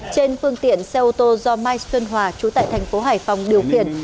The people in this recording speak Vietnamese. trên phương tiện xe ô tô do mai xuân hòa chú tại thành phố hải phòng điều khiển